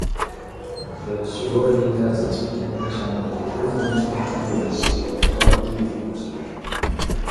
The sorority has its beginnings on the Irvington campus of Butler University.